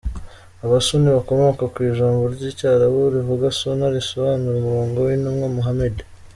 Abasuni bakomka ku ijambo ry’icyarabu rivuga Suna; risobanura umurongo w’intumwa Muhamadi.